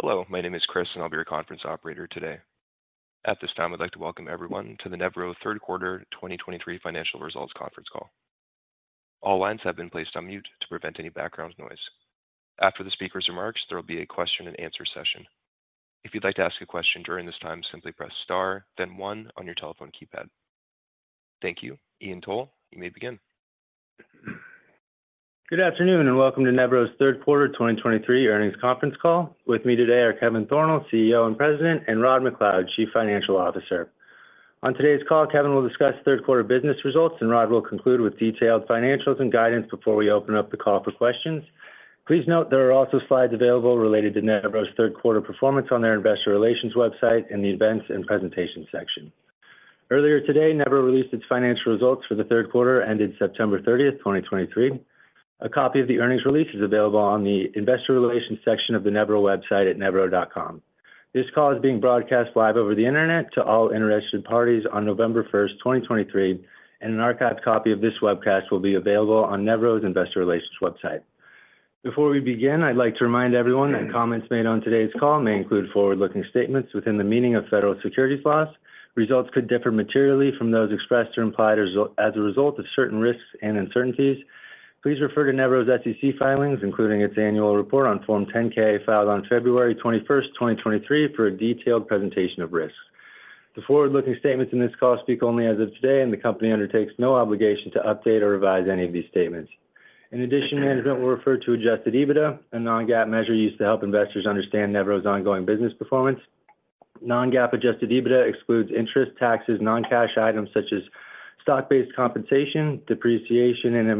Hello, my name is Chris, and I will be your conference operator today. At this time, I would like to welcome everyone to the Nevro third quarter 2023 financial results conference call. All lines have been placed on mute to prevent any background noise. After the speaker's remarks, there will be a question and answer session. If you would like to ask a question during this time, simply press star, then one on your telephone keypad. Thank you. Ian Tolle, you may begin. Good afternoon, and welcome to Nevro's third quarter 2023 earnings conference call. With me today are Kevin Thornal, CEO and President, and Rod MacLeod, Chief Financial Officer. On today's call, Kevin will discuss third quarter business results, and Rod will conclude with detailed financials and guidance before we open up the call for questions. Please note there are also slides available related to Nevro's third quarter performance on their investor relations website in the Events and Presentation section. Earlier today, Nevro released its financial results for the third quarter, ended September 30, 2023. A copy of the earnings release is available on the Investor Relations section of the Nevro website at nevro.com. This call is being broadcast live over the internet to all interested parties on November 1, 2023, and an archived copy of this webcast will be available on Nevro's Investor Relations website. Before we begin, I'd like to remind everyone that comments made on today's call may include forward-looking statements within the meaning of federal securities laws. Results could differ materially from those expressed or implied as a result of certain risks and uncertainties. Please refer to Nevro's SEC filings, including its annual report on Form 10-K, filed on February 21st, 2023, for a detailed presentation of risks. The forward-looking statements in this call speak only as of today, and the company undertakes no obligation to update or revise any of these statements. In addition, management will refer to adjusted EBITDA, a non-GAAP measure used to help investors understand Nevro's ongoing business performance. Non-GAAP adjusted EBITDA excludes interest, taxes, non-cash items such as stock-based compensation, depreciation and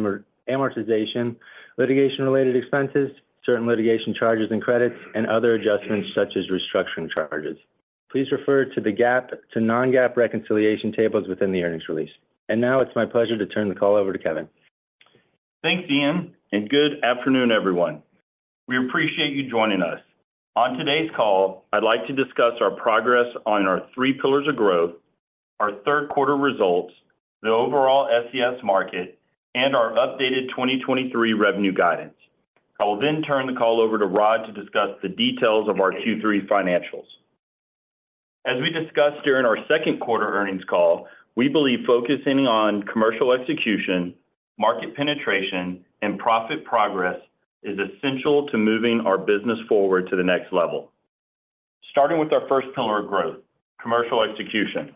amortization, litigation-related expenses, certain litigation charges and credits, and other adjustments such as restructuring charges. Please refer to the GAAP to non-GAAP reconciliation tables within the earnings release. Now it's my pleasure to turn the call over to Kevin. Thanks, Ian, and good afternoon, everyone. We appreciate you joining us. On today's call, I'd like to discuss our progress on our three pillars of growth, our third quarter results, the overall SCS market, and our updated 2023 revenue guidance. I will then turn the call over to Rod to discuss the details of our Q3 financials. As we discussed during our second quarter earnings call, we believe focusing on commercial execution, market penetration, and profit progress is essential to moving our business forward to the next level. Starting with our first pillar of growth, commercial execution.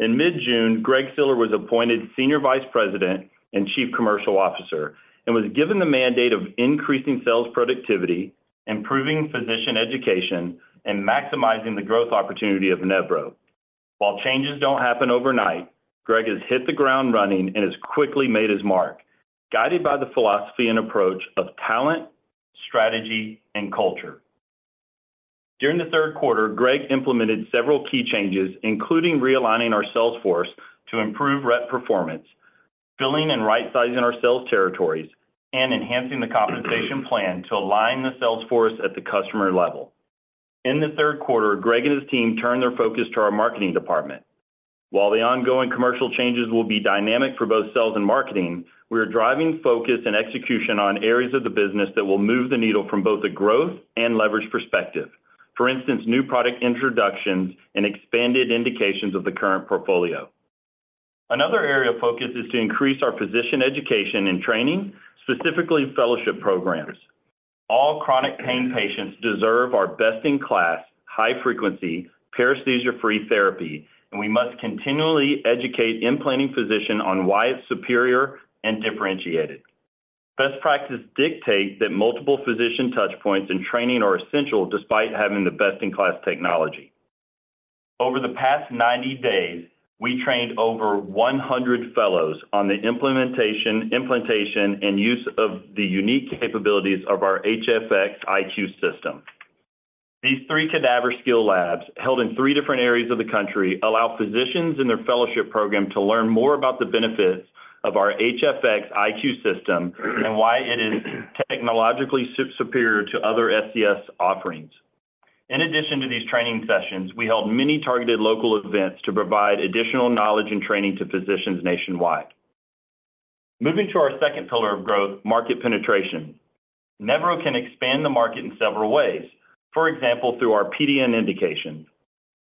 In mid-June, Greg Siller was appointed Senior Vice President and Chief Commercial Officer and was given the mandate of increasing sales productivity, improving physician education, and maximizing the growth opportunity of Nevro. While changes don't happen overnight, Greg has hit the ground running and has quickly made his mark, guided by the philosophy and approach of talent, strategy, and culture. During the third quarter, Greg implemented several key changes, including realigning our sales force to improve rep performance, filling and right-sizing our sales territories, and enhancing the compensation plan to align the sales force at the customer level. In the third quarter, Greg and his team turned their focus to our marketing department. While the ongoing commercial changes will be dynamic for both sales and marketing, we are driving focus and execution on areas of the business that will move the needle from both a growth and leverage perspective. For instance, new product introductions and expanded indications of the current portfolio. Another area of focus is to increase our physician education and training, specifically fellowship programs. All chronic pain patients deserve our best-in-class, high-frequency, paresthesia-free therapy, and we must continually educate implanting physicians on why it's superior and differentiated. Best practices dictate that multiple physician touch points and training are essential despite having the best-in-class technology. Over the past 90 days, we trained over 100 fellows on the implementation, implantation, and use of the unique capabilities of our HFX iQ system. These three cadaver skill labs, held in three different areas of the country, allow physicians in their fellowship program to learn more about the benefits of our HFX iQ system and why it is technologically superior to other SCS offerings. In addition to these training sessions, we held many targeted local events to provide additional knowledge and training to physicians nationwide. Moving to our second pillar of growth, market penetration. Nevro can expand the market in several ways, for example, through our PDN indication.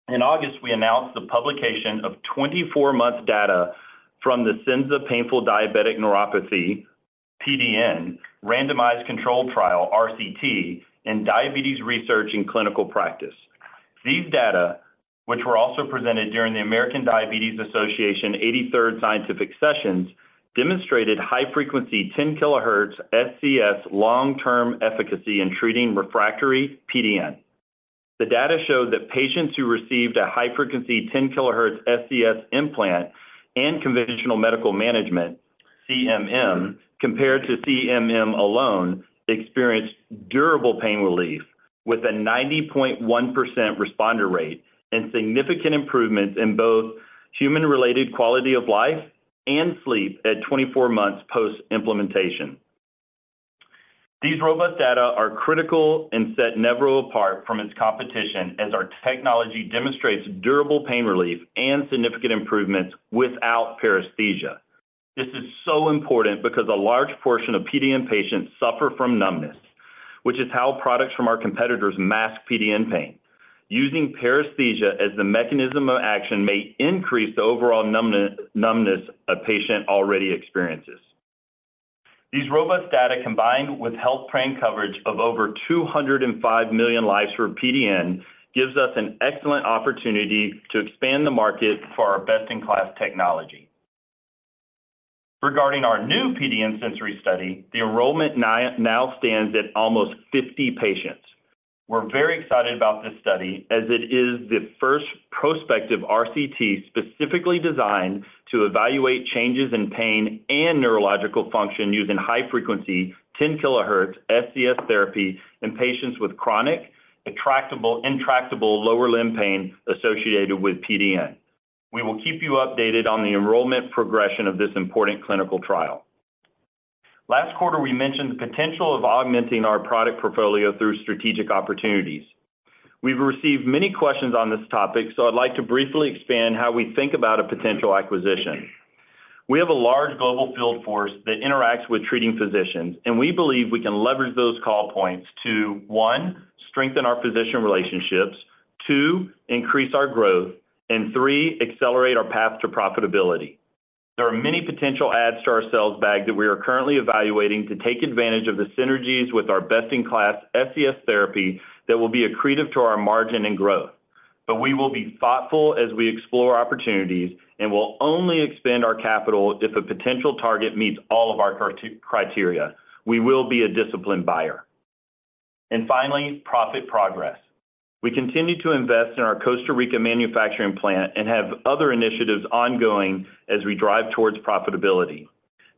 In August, we announced the publication of 24-month data from the Senza Painful Diabetic Neuropathy, PDN, randomized controlled trial, RCT, in Diabetes Research and Clinical Practice. These data, which were also presented during the American Diabetes Association 83rd Scientific Sessions, demonstrated high-frequency 10 kHz SCS long-term efficacy in treating refractory PDN. The data showed that patients who received a high-frequency 10 kHz SCS implant and conventional medical management, CMM, compared to CMM alone, experienced durable pain relief, with a 90.1% responder rate and significant improvements in both human-related quality of life and sleep at 24 months post-implementation. These robust data are critical and set Nevro apart from its competition, as our technology demonstrates durable pain relief and significant improvements without paresthesia.... This is so important because a large portion of PDN patients suffer from numbness, which is how products from our competitors mask PDN pain. Using paresthesia as the mechanism of action may increase the overall numbness, numbness a patient already experiences. These robust data, combined with health plan coverage of over 205 million lives for PDN, gives us an excellent opportunity to expand the market for our best-in-class technology. Regarding our new PDN sensory study, the enrollment now stands at almost 50 patients. We are very excited about this study, as it is the first prospective RCT specifically designed to evaluate changes in pain and neurological function using high frequency, 10 kilohertz SCS therapy in patients with chronic, intractable lower limb pain associated with PDN. We will keep you updated on the enrollment progression of this important clinical trial. Last quarter, we mentioned the potential of augmenting our product portfolio through strategic opportunities. We have received many questions on this topic, so I'd like to briefly expand how we think about a potential acquisition. We have a large global field force that interacts with treating physicians, and we believe we can leverage those call points to, one, strengthen our physician relationships, two, increase our growth, and three, accelerate our path to profitability. There are many potential adds to our sales bag that we are currently evaluating to take advantage of the synergies with our best-in-class SCS therapy that will be accretive to our margin and growth. But we will be thoughtful as we explore opportunities, and we will only expand our capital if a potential target meets all of our criteria. We will be a disciplined buyer. And finally, profit progress. We continue to invest in our Costa Rica manufacturing plant and have other initiatives ongoing as we drive towards profitability.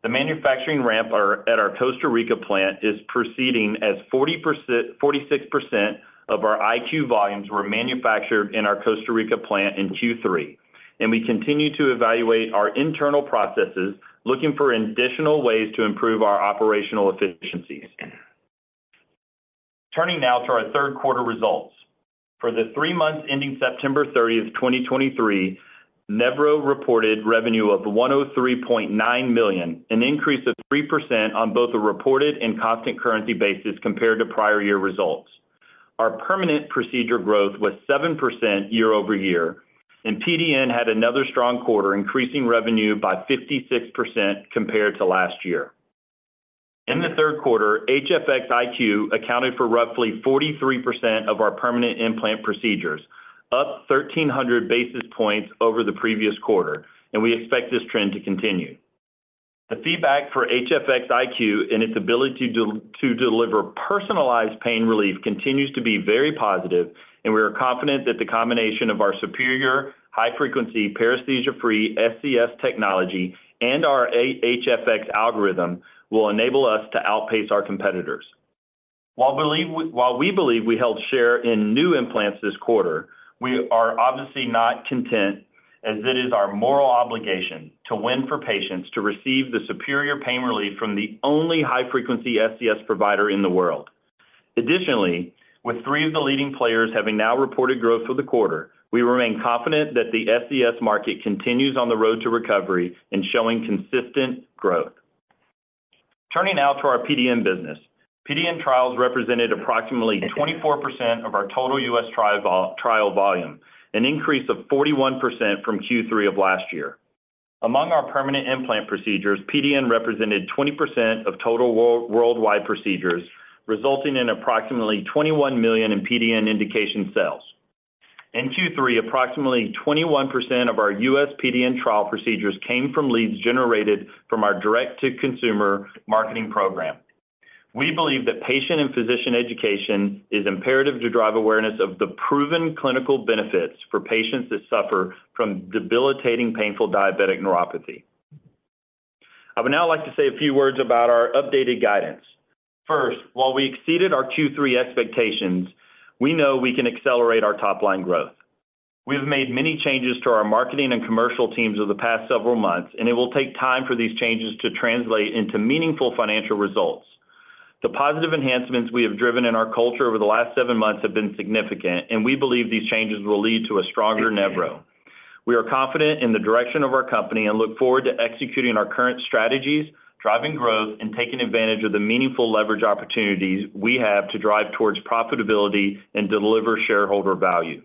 The manufacturing ramp at our Costa Rica plant is proceeding as 46% of our HFX iQ volumes were manufactured in our Costa Rica plant in Q3, and we continue to evaluate our internal processes, looking for additional ways to improve our operational efficiencies. Turning now to our third quarter results. For the three months ending September 30, 2023, Nevro reported revenue of $103.9 million, an increase of 3% on both a reported and constant currency basis compared to prior year results. Our permanent procedure growth was 7% year-over-year, and PDN had another strong quarter, increasing revenue by 56% compared to last year. In the third quarter, HFX iQ accounted for roughly 43% of our permanent implant procedures, up 1,300 basis points over the previous quarter, and we expect this trend to continue. The feedback for HFX iQ and its ability to deliver personalized pain relief continues to be very positive, and we are confident that the combination of our superior high-frequency, paresthesia-free SCS technology and our HFX algorithm will enable us to outpace our competitors. While we believe we held share in new implants this quarter, we are obviously not content, as it is our moral obligation to win for patients to receive the superior pain relief from the only high-frequency SCS provider in the world. Additionally, with three of the leading players having now reported growth for the quarter, we remain confident that the SCS market continues on the road to recovery and showing consistent growth. Turning now to our PDN business. PDN trials represented approximately 24% of our total U.S. trial volume, an increase of 41% from Q3 of last year. Among our permanent implant procedures, PDN represented 20% of total worldwide procedures, resulting in approximately $21 million in PDN indication sales. In Q3, approximately 21% of our U.S. PDN trial procedures came from leads generated from our direct-to-consumer marketing program. We believe that patient and physician education is imperative to drive awareness of the proven clinical benefits for patients that suffer from debilitating painful diabetic neuropathy. I would now like to say a few words about our updated guidance. First, while we exceeded our Q3 expectations, we know we can accelerate our top line growth. We have made many changes to our marketing and commercial teams over the past several months, and it will take time for these changes to translate into meaningful financial results. The positive enhancements we have driven in our culture over the last seven months have been significant, and we believe these changes will lead to a stronger Nevro. We are confident in the direction of our company and look forward to executing our current strategies, driving growth, and taking advantage of the meaningful leverage opportunities we have to drive towards profitability and deliver shareholder value.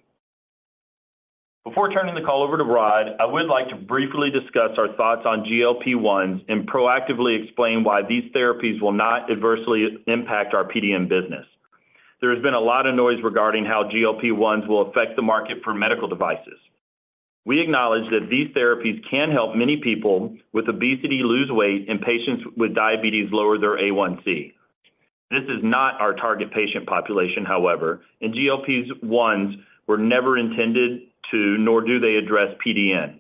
Before turning the call over to Rod, I would like to briefly discuss our thoughts on GLP-1s and proactively explain why these therapies will not adversely impact our PDN business. There has been a lot of noise regarding how GLP-1s will affect the market for medical devices. We acknowledge that these therapies can help many people with obesity lose weight, and patients with diabetes lower their A1C. This is not our target patient population, however, and GLP-1s were never intended to, nor do they address PDN.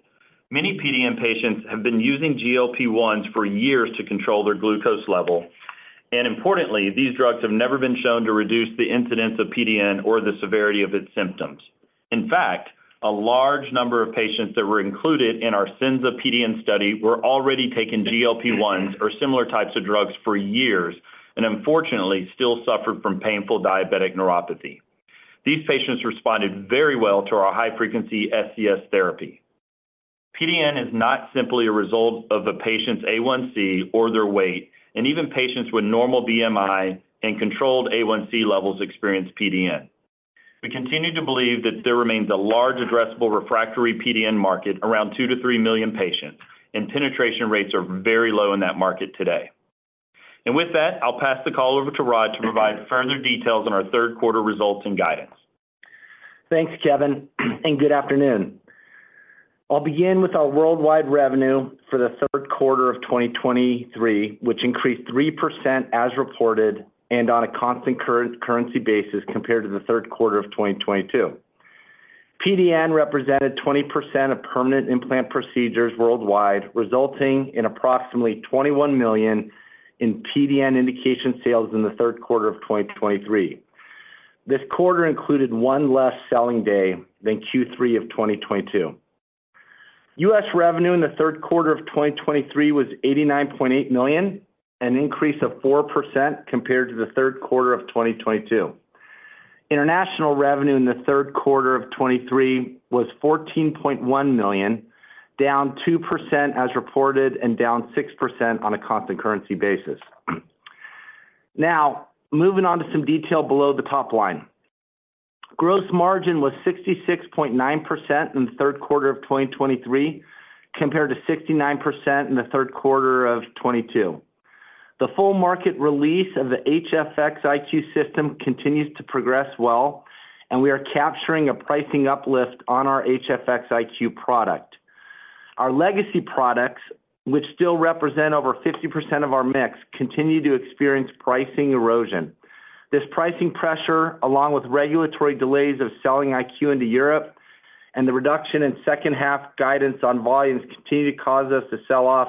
Many PDN patients have been using GLP-1s for years to control their glucose level, and importantly, these drugs have never been shown to reduce the incidence of PDN or the severity of its symptoms. In fact, a large number of patients that were included in our Senza PDN study were already taking GLP-1s or similar types of drugs for years, and unfortunately, still suffered from painful diabetic neuropathy. These patients responded very well to our high-frequency SCS therapy. PDN is not simply a result of a patient's A1C or their weight, and even patients with normal BMI and controlled A1C levels experience PDN. We continue to believe that there remains a large addressable refractory PDN market, around 2-3 million patients, and penetration rates are very low in that market today. With that, I will pass the call over to Rod to provide further details on our third quarter results and guidance. Thanks, Kevin, and good afternoon. I will begin with our worldwide revenue for the third quarter of 2023, which increased 3% as reported, and on a constant currency basis compared to the third quarter of 2022. PDN represented 20% of permanent implant procedures worldwide, resulting in approximately $21 million in PDN indication sales in the third quarter of 2023. This quarter included one less selling day than Q3 of 2022. U.S. revenue in the third quarter of 2023 was $89.8 million, an increase of 4% compared to the third quarter of 2022. International revenue in the third quarter of 2023 was $14.1 million, down 2% as reported and down 6% on a constant currency basis. Now, moving on to some detail below the top line. Gross margin was 66.9% in the third quarter of 2023, compared to 69% in the third quarter of 2022. The full market release of the HFX iQ system continues to progress well, and we are capturing a pricing uplift on our HFX iQ product. Our legacy products, which still represent over 50% of our mix, continue to experience pricing erosion. This pricing pressure, along with regulatory delays of selling iQ into Europe and the reduction in second-half guidance on volumes, continue to cause us to sell off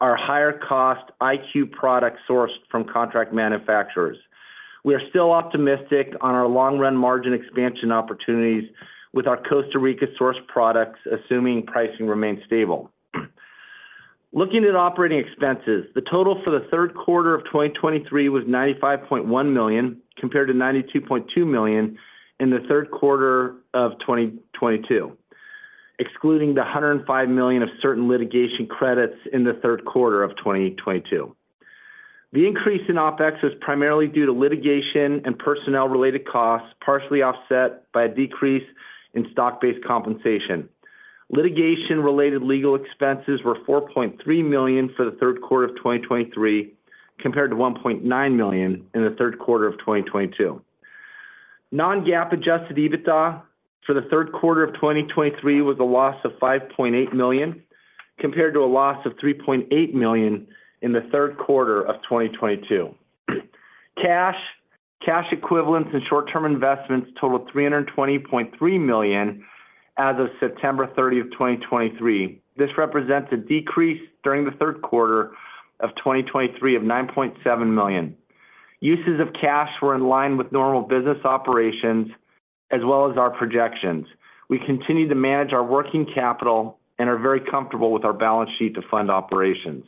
our higher-cost iQ products sourced from contract manufacturers. We are still optimistic on our long-run margin expansion opportunities with our Costa Rica-sourced products, assuming pricing remains stable. Looking at operating expenses, the total for the third quarter of 2023 was $95.1 million, compared to $92.2 million in the third quarter of 2022, excluding the $105 million of certain litigation credits in the third quarter of 2022. The increase in OpEx is primarily due to litigation and personnel-related costs, partially offset by a decrease in stock-based compensation. Litigation-related legal expenses were $4.3 million for the third quarter of 2023, compared to $1.9 million in the third quarter of 2022. Non-GAAP adjusted EBITDA for the third quarter of 2023 was a loss of $5.8 million, compared to a loss of $3.8 million in the third quarter of 2022. Cash, cash equivalents and short-term investments totaled $320.3 million as of September 30, 2023. This represents a decrease during the third quarter of 2023 of $9.7 million. Uses of cash were in line with normal business operations as well as our projections. We continue to manage our working capital and are very comfortable with our balance sheet to fund operations.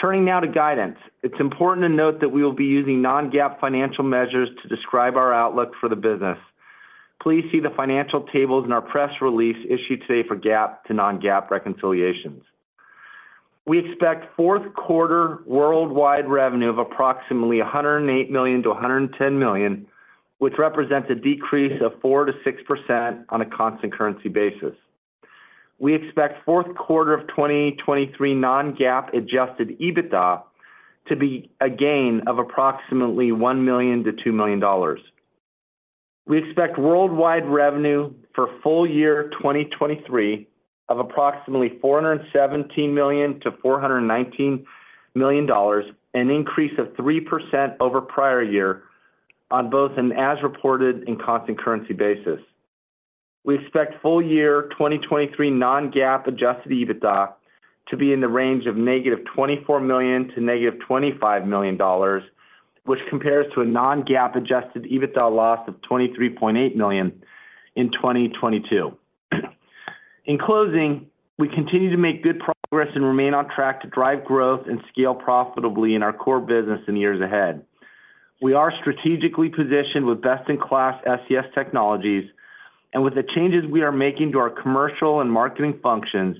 Turning now to guidance. It's important to note that we will be using non-GAAP financial measures to describe our outlook for the business. Please see the financial tables in our press release issued today for GAAP to non-GAAP reconciliations. We expect fourth quarter worldwide revenue of approximately $108 million-$110 million, which represents a decrease of 4%-6% on a constant currency basis. We expect fourth quarter of 2023 non-GAAP adjusted EBITDA to be a gain of approximately $1 million-$2 million. We expect worldwide revenue for full year 2023 of approximately $417 million-$419 million, an increase of 3% over prior year on both an as-reported and constant currency basis. We expect full year 2023 non-GAAP adjusted EBITDA to be in the range of -$24 million to -$25 million, which compares to a non-GAAP adjusted EBITDA loss of $23.8 million in 2022. In closing, we continue to make good progress and remain on track to drive growth and scale profitably in our core business in years ahead. We are strategically positioned with best-in-class SCS technologies, and with the changes we are making to our commercial and marketing functions,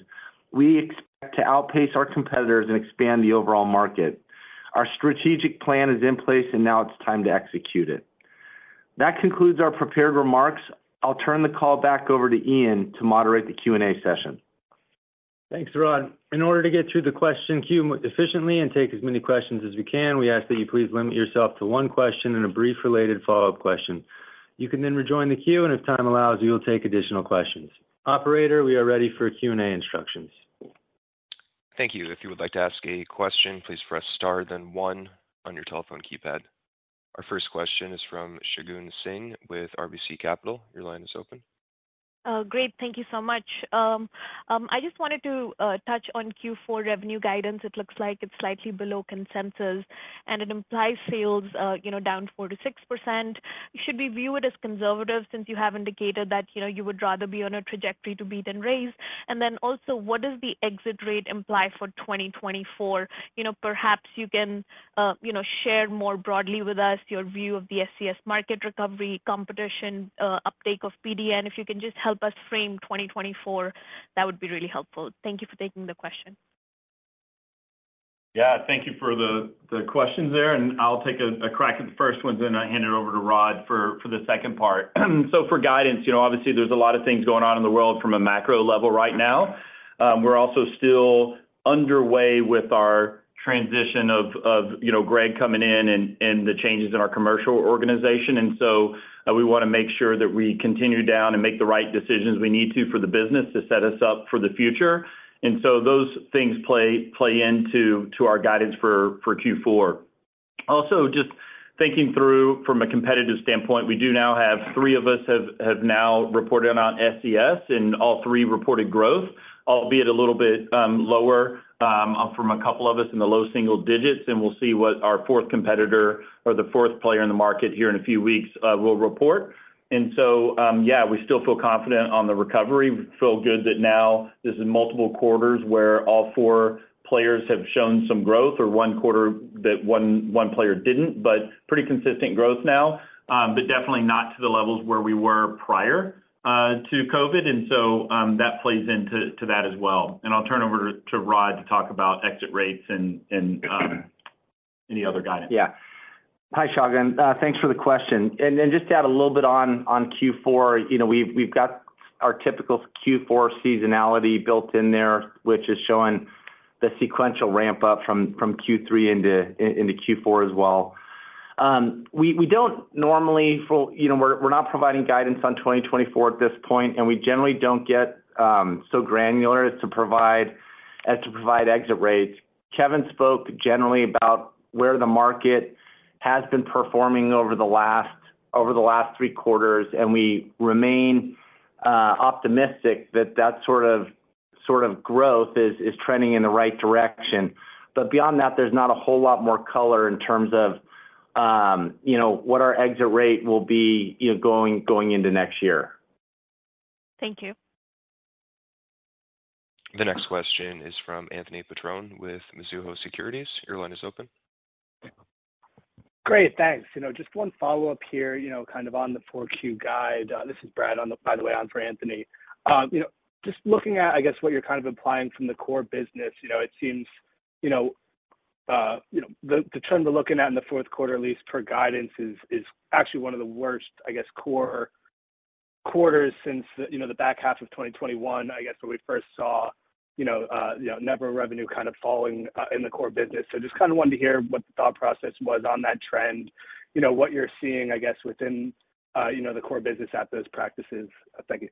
we expect to outpace our competitors and expand the overall market. Our strategic plan is in place, and now it's time to execute it. That concludes our prepared remarks. I will turn the call back over to Ian to moderate the Q&A session. Thanks, Rod. In order to get through the question queue efficiently and take as many questions as we can, we ask that you please limit yourself to one question and a brief related follow-up question. You can then rejoin the queue, and if time allows, we will take additional questions. Operator, we are ready for Q&A instructions. Thank you. If you would like to ask a question, please press star then one on your telephone keypad. Our first question is from Shagun Singh with RBC Capital. Your line is open. Great. Thank you so much. I just wanted to touch on Q4 revenue guidance. It looks like it's slightly below consensus, and it implies sales, down 4%-6%. Should we view it as conservative, since you have indicated that, you would rather be on a trajectory to beat than raise? And then also, what does the exit rate imply for 2024? Perhaps you can share more broadly with us your view of the SCS market recovery, competition, uptake of PDN. If you can just help us frame 2024, that would be really helpful. Thank you for taking the question.... Yeah, thank you for the questions there, and I will take a crack at the first one, then I hand it over to Rod for the second part. So for guidance, obviously, there's a lot of things going on in the world from a macro level right now. We are also still underway with our transition of Greg coming in and the changes in our commercial organization. And so, we wanna make sure that we continue down and make the right decisions we need to for the business to set us up for the future. And so those things play into our guidance for Q4. Also, just thinking through from a competitive standpoint, we do now have three of us have now reported on SCS, and all three reported growth, albeit a little bit lower from a couple of us in the low single digits, and we will see what our fourth competitor or the fourth player in the market here in a few weeks will report. And so, yeah, we still feel confident on the recovery. We feel good that now this is multiple quarters where all four players have shown some growth, or one quarter that one player didn't, but pretty consistent growth now. But definitely not to the levels where we were prior to COVID, and so, that plays into that as well. And I will turn over to Rod to talk about exit rates and any other guidance. Yeah. Hi, Shagun. Thanks for the question. Then just to add a little bit on Q4, we have got our typical Q4 seasonality built in there, which is showing the sequential ramp up from Q3 into Q4 as well. We are not providing guidance on 2024 at this point, and we generally don't get so granular as to provide exit rates. Kevin spoke generally about where the market has been performing over the last three quarters, and we remain optimistic that that sort of growth is trending in the right direction. But beyond that, there's not a whole lot more color in terms of what our exit rate will be going into next year. Thank you. The next question is from Anthony Petrone with Mizuho Securities. Your line is open. Great, thanks. Just one follow-up here, on the 4Q guide. This is Brad on the, by the way, on for Anthony. Just looking at what you are kind of implying from the core business, it seems, the trend we are looking at in the fourth quarter, at least per guidance, is actually one of the worst quarters since the back half of 2021 where we first saw Nevro revenue kind of falling in the core business. I just wanted to hear what the thought process was on that trend, what you are seeing within the core business at those practices. Thank you.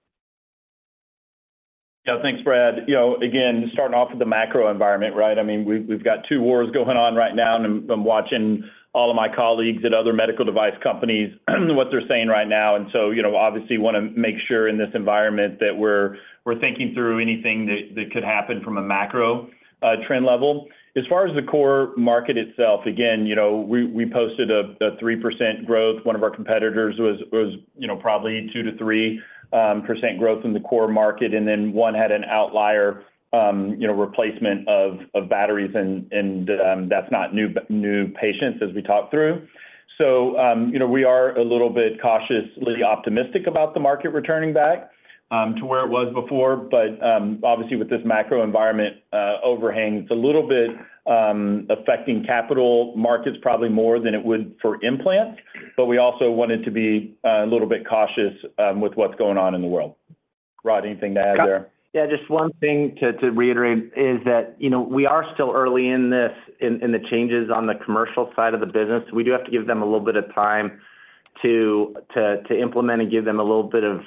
Thanks, Brad. Again, starting off with the macro environment, right? We have got two wars going on right now, and I'm watching all of my colleagues at other medical device companies, what they are saying right now. Obviously, we want to make sure in this environment that we are thinking through anything that could happen from a macro trend level. As far as the core market itself, again, we posted a 3% growth. One of our competitors was probably 2%-3% growth in the core market, and then one had an outlier replacement of batteries and that's not new patients, as we talked through. We are a little bit cautiously optimistic about the market returning back to where it was before. Obviously, with this macro environment overhang, it's a little bit affecting capital markets probably more than it would for implants, but we also wanted to be a little bit cautious with what's going on in the world. Rod, anything to add there? Just one thing to reiterate is that we are still early in this, in the changes on the commercial side of the business. We do have to give them a little bit of time to implement and give them a little bit of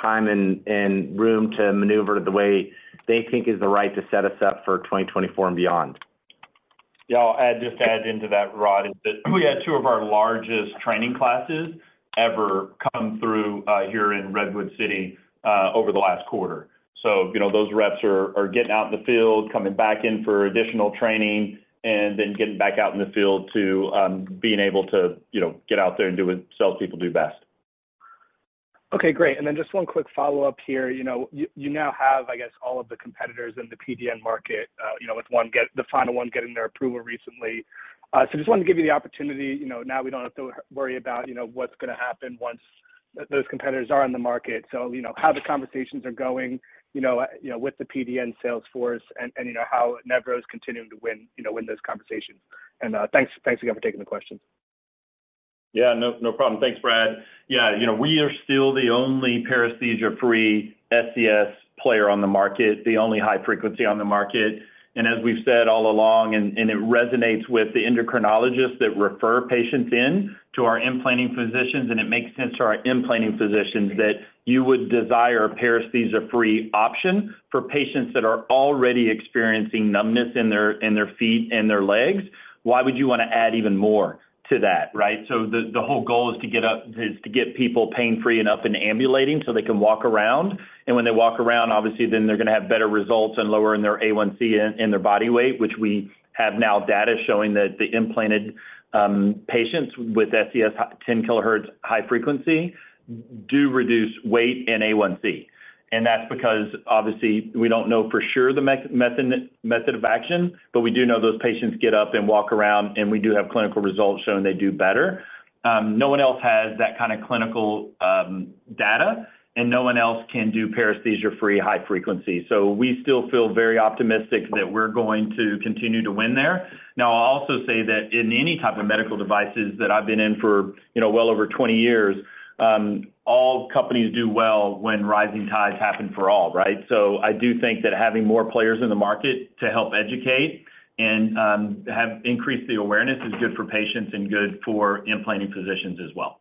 time and room to maneuver the way they think is the right to set us up for 2024 and beyond. I will add—just to add into that, Rod, is that we had two of our largest training classes ever come through here in Redwood City over the last quarter. Those reps are getting out in the field, coming back in for additional training, and then getting back out in the field to being able to get out there and do what sales people do best. Okay, great. Just one quick follow-up here. You now have all of the competitors in the PDN market, with the final one getting their approval recently. I just wanted to give you the opportunity. Now we don't have to worry about what's gonna happen once those competitors are on the market. How the conversations are going, with the PDN sales force, how Nevro is continuing to win those conversations. Thanks again for taking the questions. No problem. Thanks, for that. We are still the only paresthesia-free SCS player on the market, the only high frequency on the market. As we have said all along, and it resonates with the endocrinologists that refer patients in to our implanting physicians, and it makes sense to our implanting physicians, that you would desire a paresthesia-free option for patients that are already experiencing numbness in their feet and their legs. Why would you want to add even more to that, right? So the whole goal is to get people pain-free and up and ambulating, so they can walk around. When they walk around, obviously, then they are gonna have better results and lower in their A1C and their body weight, which we have now data showing that the implanted patients with SCS 10 kHz high frequency do reduce weight and A1C. And that's because, obviously, we don't know for sure the method of action, but we do know those patients get up and walk around, and we do have clinical results showing they do better. No one else has that kind of clinical data, and no one else can do paresthesia-free high frequency. So we still feel very optimistic that we are going to continue to win there. Now, I will also say that in any type of medical devices that I've been in for, well over 20 years, all companies do well when rising tides happen for all, right? I do think that having more players in the market to help educate and have increased the awareness is good for patients and good for implanting physicians as well.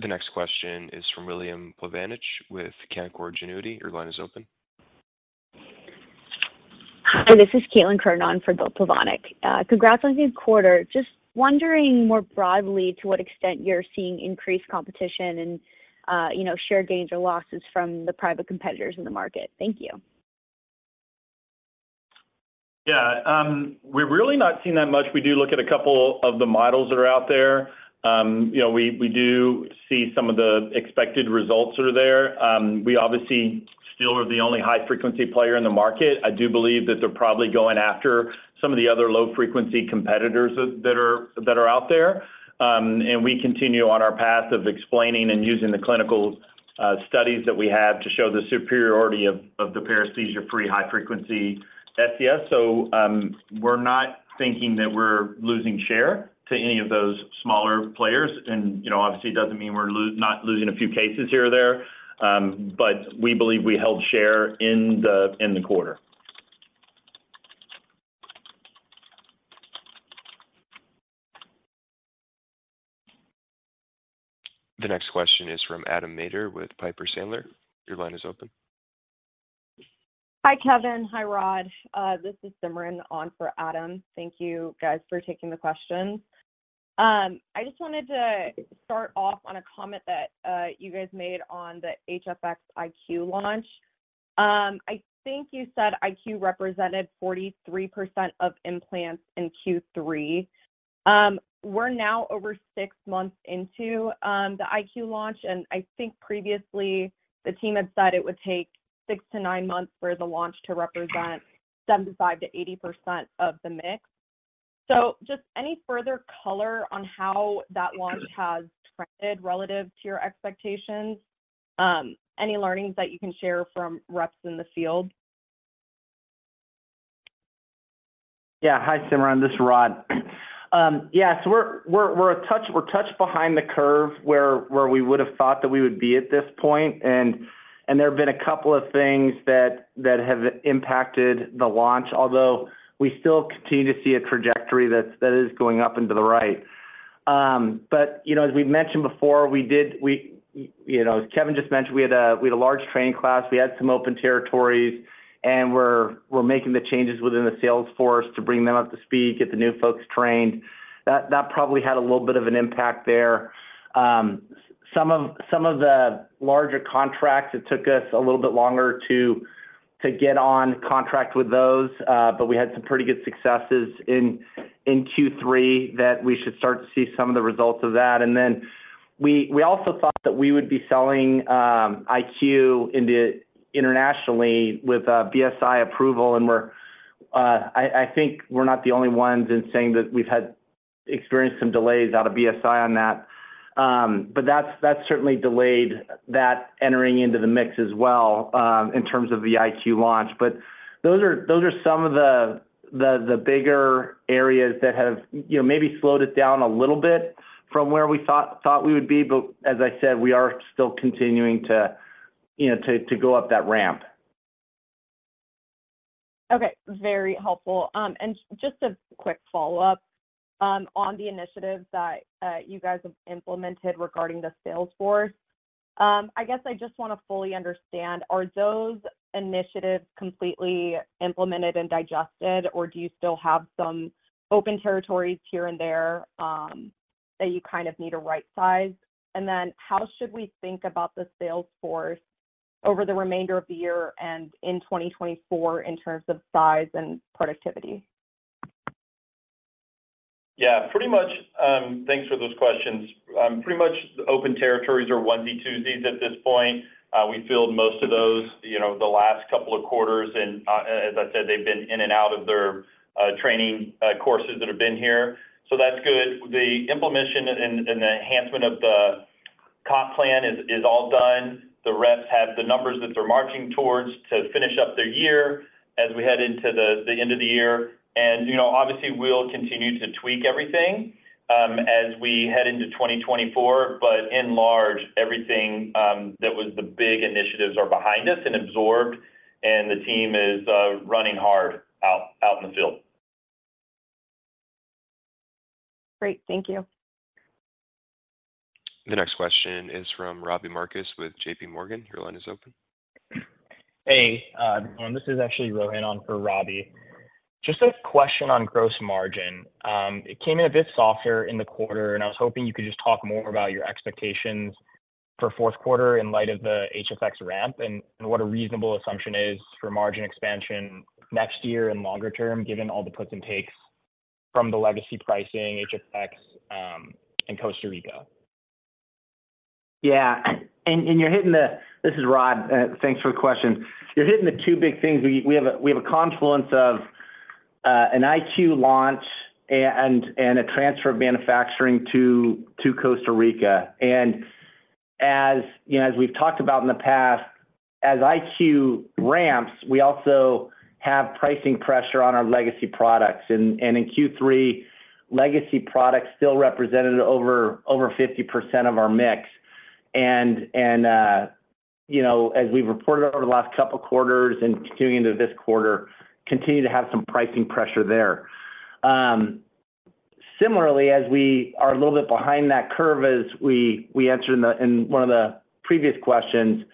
The next question is from William Plavanic with Canaccord Genuity. Your line is open. Hi, this is Caitlin Cronin on for Bill Plavanic. Congrats on the good quarter. Just wondering more broadly to what extent you are seeing increased competition and share gains or losses from the private competitors in the market. Thank you. We have really not seen that much. We do look at a couple of the models that are out there. We do see some of the expected results that are there. We obviously still are the only high-frequency player in the market. I do believe that they are probably going after some of the other low-frequency competitors that are out there. We continue on our path of explaining and using the clinical studies that we have to show the superiority of the paresthesia-free high-frequency SCS. So, we are not thinking that we are losing share to any of those smaller players. Obviously, it doesn't mean we are not losing a few cases here or there, but we believe we held share in the quarter. The next question is from Adam Mader with Piper Sandler. Your line is open. Hi, Kevin. Hi, Rod. This is Simran on for Adam. Thank you guys for taking the questions. I just wanted to start off on a comment that you guys made on the HFX iQ launch. I think you said iQ represented 43% of implants in Q3. We are now over six months into the iQ launch, and I think previously the team had said it would take six to nine months for the launch to represent 75%-80% of the mix. So just any further color on how that launch has trended relative to your expectations? Any learnings that you can share from reps in the field? Hi, Simran, this is Rod. We are a touch behind the curve where we would have thought that we would be at this point, and there have been a couple of things that have impacted the launch, although we still continue to see a a trajectory that is going up and to the right. As we have mentioned before, as Kevin just mentioned, we had a large training class, we had some open territories, and we are making the changes within the sales force to bring them up to speed, get the new folks trained. That probably had a little bit of an impact there. Some of the larger contracts, it took us a little bit longer to get on contract with those, but we had some pretty good successes in Q3 that we should start to see some of the results of that. We also thought that we would be selling iQ internationally with BSI approval, and I think we are not the only ones in saying that we have had experienced some delays out of BSI on that. But that's certainly delayed that entering into the mix as well, in terms of the IQ launch. Those are some of the bigger areas that have, maybe slowed it down a little bit from where we thought we would be, but as I said, we are still continuing to go up that ramp. Okay, very helpful. Just a quick follow-up on the initiatives that you guys have implemented regarding the sales force. I just want to fully understand, are those initiatives completely implemented and digested, or do you still have some open territories here and there that you kind of need to right size? How should we think about the sales force over the remainder of the year and in 2024 in terms of size and productivity? Yes, pretty much. Thanks for those questions. Pretty much open territories are "onesie-twosies" at this point. We filled most of those, the last couple of quarters, and as I said, they have been in and out of their training courses that have been here. So that's good. The implementation and the enhancement of the comp plan is all done. The reps have the numbers that they are marching towards to finish up their year as we head into the end of the year, and obviously we will continue to tweak everything as we head into 2024. But in large, everything that was the big initiatives are behind us and absorbed, and the team is running hard out in the field. Great. Thank you. The next question is from Robbie Marcus with JP Morgan. Your line is open. Hey, this is actually Rohan on for Robbie. Just a question on gross margin. It came in a bit softer in the quarter, and I was hoping you could just talk more about your expectations for fourth quarter in light of the HFX ramp, and what a reasonable assumption is for margin expansion next year and longer term, given all the puts and takes from the legacy pricing, HFX, and Costa Rica? Yeah. This is Rod. Thanks for the question. You are hitting the two big things. We have a confluence of an IQ launch and a transfer of manufacturing to Costa Rica. As we have talked about in the past, as IQ ramps, we also have pricing pressure on our legacy products. And in Q3, legacy products still represented over 50% of our mix. As we have reported over the last couple of quarters and continuing into this quarter, continue to have some pricing pressure there. Similarly, as we are a little bit behind that curve, as we answered in one of the previous questions,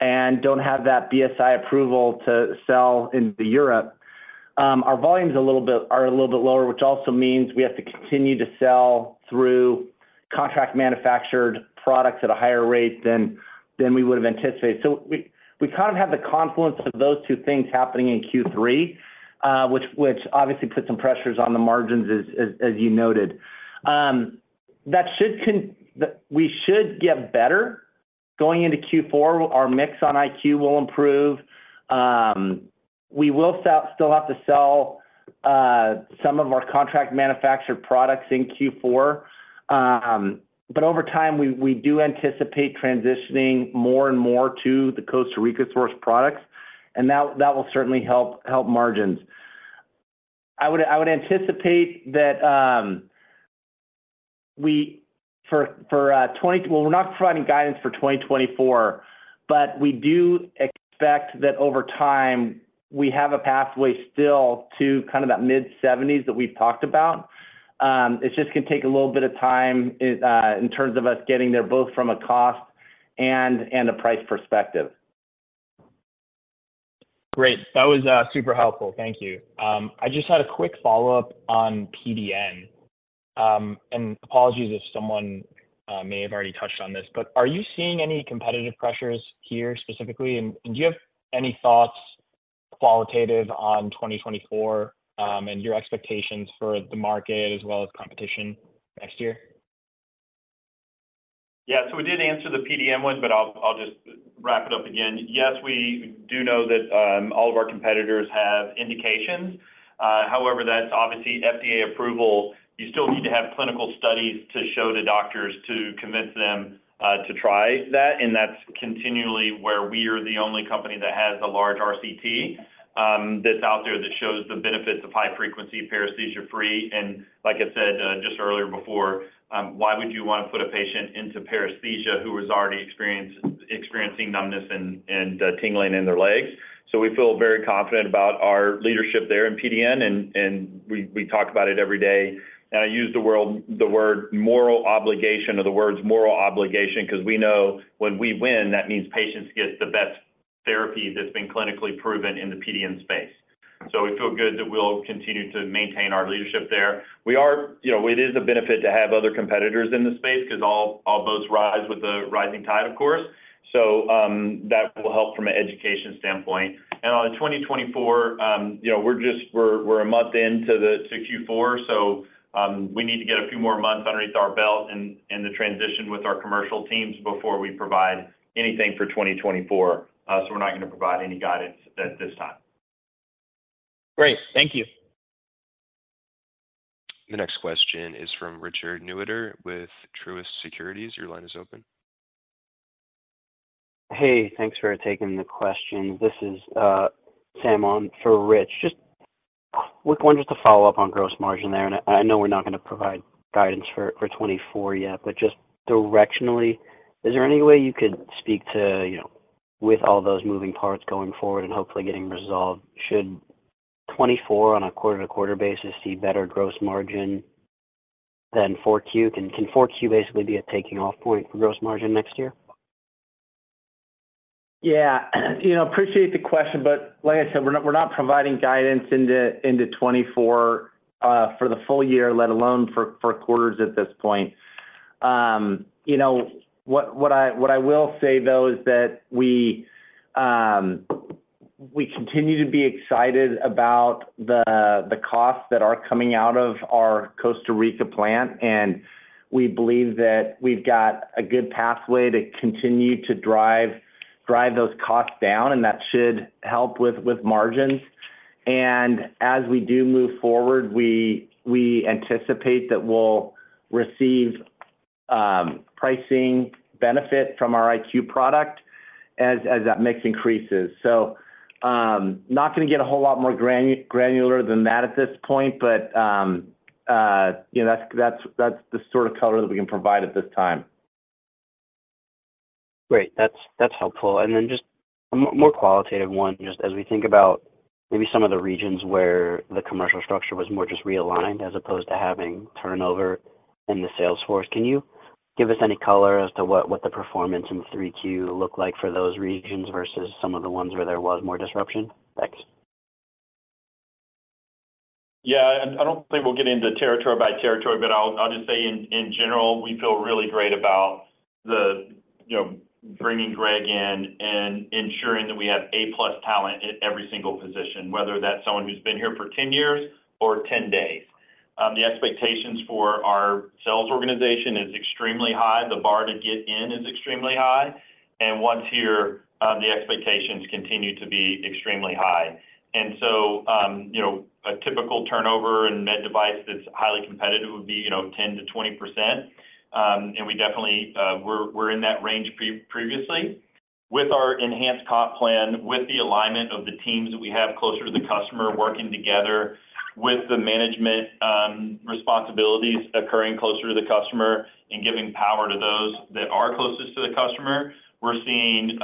and don't have that BSI approval to sell into Europe, our volumes are a little bit lower, which also means we have to continue to sell through contract manufactured products at a higher rate than we would have anticipated. We have the confluence of those two things happening in Q3, which obviously put some pressures on the margins, as you noted. That we should get better going into Q4. Our mix on HFX iQ will improve. We will still have to sell some of our contract manufactured products in Q4. Over time, we do anticipate transitioning more and more to the Costa Rica source products, and that will certainly help margins. Well, we are not providing guidance for 2024, but we do expect that over time, we have a pathway still to kind of that mid-70s that we have talked about. It's just going to take a little bit of time in terms of us getting there, both from a cost and a price perspective. Great. That was super helpful. Thank you. I just had a quick follow-up on PDN. Apologies if someone may have already touched on this, but are you seeing any competitive pressures here specifically? And do you have any thoughts, qualitative, on 2024, and your expectations for the market as well as competition next year? We did answer the PDN one, but I will just wrap it up again. Yes, we do know that all of our competitors have indications. However, that's obviously FDA approval. You still need to have clinical studies to show to doctors to convince them to try that, and that's continually where we are the only company that has a large RCT that's out there that shows the benefits of high frequency paresthesia free. Like I said just earlier before, why would you want to put a patient into paresthesia who was already experiencing numbness and tingling in their legs? So we feel very confident about our leadership there in PDN, and we talk about it every day. I use the word moral obligation or the words moral obligation, because we know when we win, that means patients get the best therapy that's been clinically proven in the PDN space. So we feel good that we will continue to maintain our leadership there. It is a benefit to have other competitors in the space because all boats rise with the rising tide, of course. That will help from an education standpoint. On the 2024, we are just—we are a month into the Q4, so we need to get a few more months underneath our belt and the transition with our commercial teams before we provide anything for 2024. We are not going to provide any guidance at this time. Great. Thank you. The next question is from Richard Newitter with Truist Securities. Your line is open. Thanks for taking the question. This is Sam On for Rich. Just, we are going just to follow up on gross margin there, and I know we are not going to provide guidance for 2024 yet, but just directionally, is there any way you could speak to, with all those moving parts going forward and hopefully getting resolved, should 2024 on a quarter-to-quarter basis see better gross margin than Q4? Can Q4 basically be a taking off point for gross margin next year? Appreciate the question, but like I said, we are not providing guidance into 2024 for the full year, let alone for quarters at this point. What I will say, though, is that we continue to be excited about the costs that are coming out of our Costa Rica plant, and we believe that we have got a good pathway to continue to drive those costs down, and that should help with margins. As we do move forward, we anticipate that we will receive pricing benefit from our HFX iQ product as that mix increases. So, not going to get a whole lot more granular than that at this point, but that's the sort of color that we can provide at this time. Great. That's, that's helpful. And then just a more qualitative one, just as we think about maybe some of the regions where the commercial structure was more just realigned as opposed to having turnover in the sales force, can you give us any color as to what, what the performance in the 3Q look like for those regions versus some of the ones where there was more disruption? Thanks. I don't think we will get into territory by territory, but I will just say in general, we feel really great about bringing Greg in and ensuring that we have A+ talent at every single position, whether that's someone who's been here for 10 years or 10 days. The expectations for our sales organization is extremely high. The bar to get in is extremely high, and once here, the expectations continue to be extremely high. A typical turnover in med device that's highly competitive would be 10%-20%. And we definitely were in that range previously. With our enhanced comp plan, with the alignment of the teams that we have closer to the customer, working together with the management, responsibilities occurring closer to the customer and giving power to those that are closest to the customer, we are seeing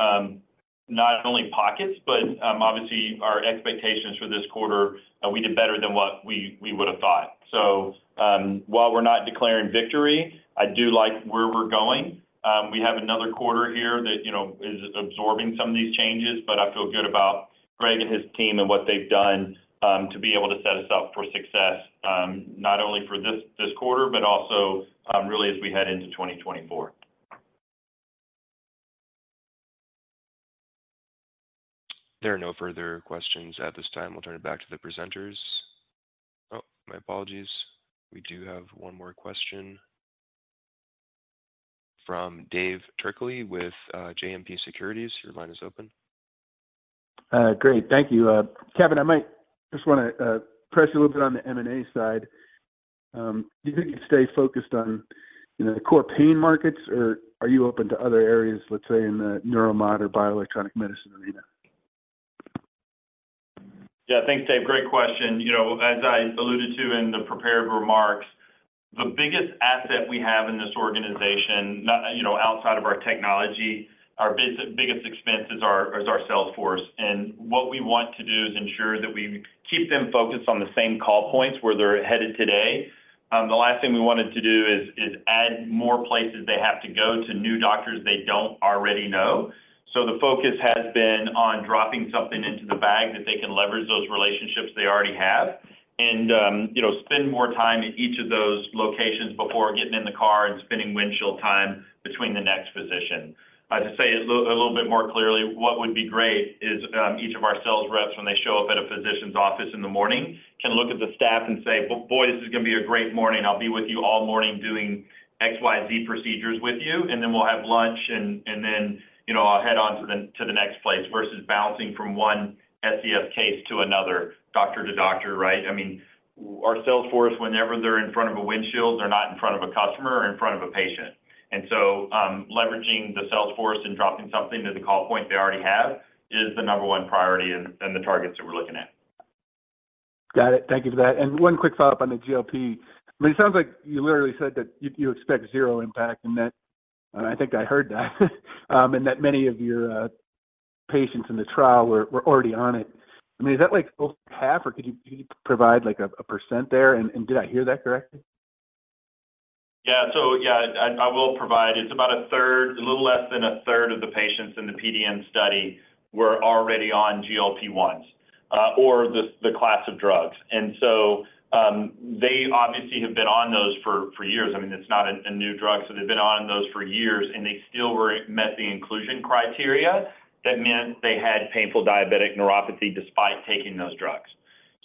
not only pockets, but obviously, our expectations for this quarter; we did better than what we, we would have thought. So, while we are not declaring victory, I do like where we are going. We have another quarter here that is absorbing some of these changes, but I feel good about Greg and his team and what they have done to be able to set us up for success, not only for this, this quarter, but also really as we head into 2024. There are no further questions at this time. I will turn it back to the presenters. Oh, my apologies. We do have one more question from Dave Turkaly with JMP Securities. Your line is open. Great. Thank you. Kevin, I might just wanna press you a little bit on the M&A side. Do you think you stay focused on the core pain markets, or are you open to other areas, let's say, in the neuromod or bioelectronic medicine arena? Thanks, Dave. Great question. As I alluded to in the prepared remarks, the biggest asset we have in this organization outside of our technology, our biggest expense is our sales force. What we want to do is ensure that we keep them focused on the same call points where they are headed today. The last thing we wanted to do is add more places they have to go to new doctors they don't already know. The focus has been on dropping something into the bag that they can leverage those relationships they already have and spend more time in each of those locations before getting in the car and spending windshield time between the next physician. To say it a little bit more clearly, what would be great is, each of our sales reps, when they show up at a physician's office in the morning, can look at the staff and say, "Boy, this is going to be a great morning. I will be with you all morning doing XYZ procedures with you, and then we will have lunch, and then, I will head on to the next place, versus bouncing from one SCF case to another, doctor to doctor, right? I mean, our sales force, whenever they are in front of a windshield, they are not in front of a customer or in front of a patient. And so, leveraging the sales force and dropping something to the call point they already have is the number one priority and the targets that we are looking at. Got it. Thank you for that. One quick follow-up on the GLP. I mean, it sounds like you literally said that you expect zero impact, and that... I think I heard that. And that many of your patients in the trial were already on it. I mean, is that, like, close to half, or could you provide, like, a % there, and did I hear that correctly? I will provide. It's about a third, a little less than a third of the patients in the PDN study were already on GLP-1s, or the class of drugs. And so, they obviously have been on those for years. I mean, it's not a new drug, so they have been on those for years, and they still met the inclusion criteria. That meant they had painful diabetic neuropathy despite taking those drugs.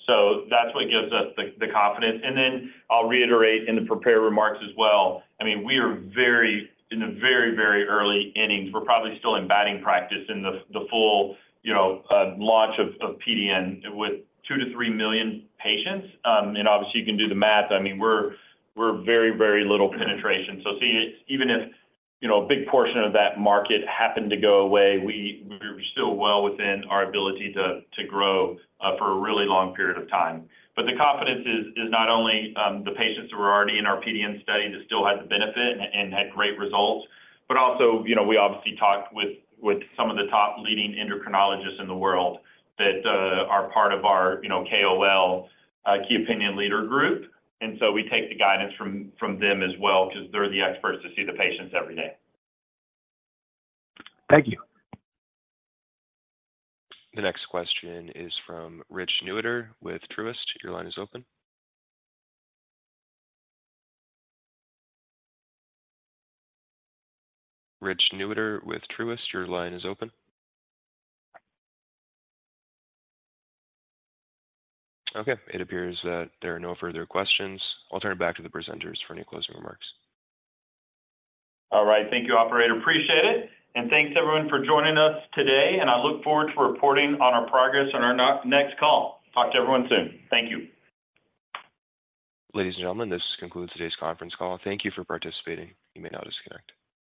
So that's what gives us the confidence. I will reiterate in the prepared remarks as well. I mean, We are very early in the innings. We are probably still in batting practice in the full launch of PDN with 2-3 million patients. And obviously, you can do the math. I mean, we are very little penetration. Even if a big portion of that market happened to go away, we are still well within our ability to grow for a really long period of time. The confidence is not only the patients who are already in our PDN study that still had the benefit and had great results, but also, we obviously talked with some of the top leading endocrinologists in the world that are part of our KOL key opinion leader group. And so we take the guidance from them as well, because they are the experts to see the patients every day. Thank you. The next question is from Rich Newitter with Truist. Your line is open. Rich Newitter with Truist, your line is open. Okay, it appears that there are no further questions. I will turn it back to the presenters for any closing remarks. All right. Thank you, operator. Appreciate it, and thanks, everyone, for joining us today, and I look forward to reporting on our progress on our next call. Talk to everyone soon. Thank you. Ladies and gentlemen, this concludes today's conference call. Thank you for participating. You may now disconnect.